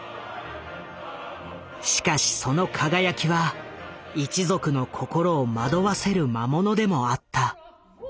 しかしその輝きは一族の心を惑わせる魔物でもあった。